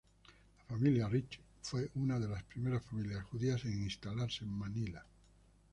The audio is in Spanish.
La familia Rich fue una de las primeras familias judías en instalarse en Manila.